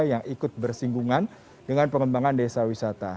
yang ikut bersinggungan dengan pengembangan desa wisata